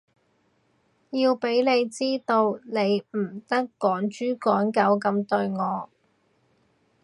要畀你知道，你唔得趕豬趕狗噉對我